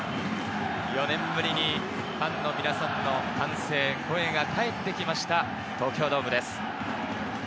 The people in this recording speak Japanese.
４年ぶりにファンの皆さんの歓声、声が帰ってきました東京ドームです。